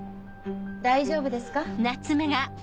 大丈夫ですか？